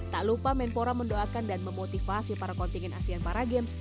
tak lupa menpora mendoakan dan memotivasi para kontingen asian paragames